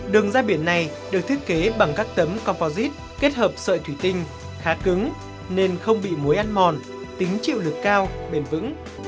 đường ra biển này được thiết kế bằng các tấm composite kết hợp sợi thủy tinh khá cứng nên không bị muối ăn mòn tính chịu lực cao bền vững